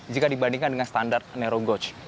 jika dibandingkan dengan standar narrow gauge